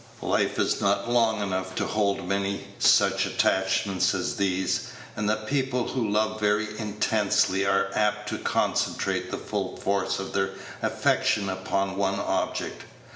Life is not long enough to hold many such attachments as these; and the people who love very intensely are apt to concentrate the full force of their affection upon one object.